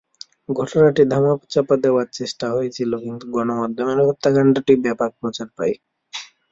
ঘটনাটি ধামাচাপা দেওয়ার চেষ্টা হয়েছিল, কিন্তু গণমাধ্যমে হত্যাকাণ্ডটি ব্যাপক প্রচার পায়।